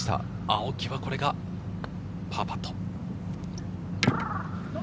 青木はこれがパーパット。